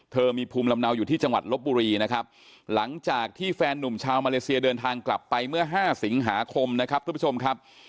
มีภูมิลำเนาอยู่ที่จังหวัดลบบุรีนะครับหลังจากที่แฟนนุ่มชาวมาเลเซียเดินทางกลับไปเมื่อ๕สิงหาคมนะครับทุกผู้ชมครับ